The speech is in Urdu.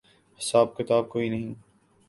حساب کتاب کوئی نہیں۔